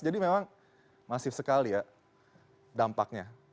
jadi memang masif sekali ya dampaknya